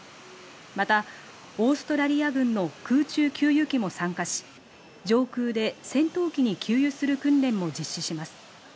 またオーストラリア軍の空中給油機も参加し、上空で戦闘機に給油する訓練も実施します。